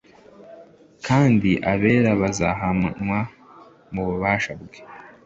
Kandi abera bazahanwa mu bubasha bwe.'°»